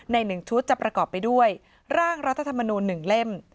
ใน๑ชุดจะประกอบไปด้วยร่างรัฐธรรมนูล๑เล่ม